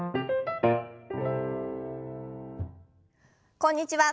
こんにちは。